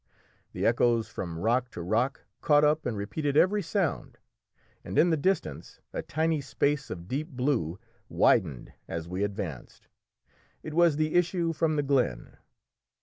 The echoes from rock to rock caught up and repeated every sound, and in the distance a tiny space of deep blue widened as we advanced; it was the issue from the glen.